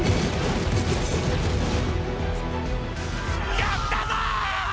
やったぞ！！